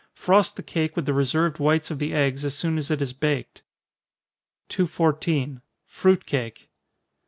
Frost the cake with the reserved whites of the eggs as soon as it is baked. 214. _Fruit Cake.